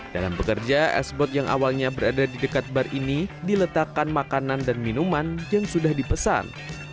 dalam pekerja sbot yang awalnya berada di dekat bar ini diletakkan makanan dan minuman yang sudah dipesan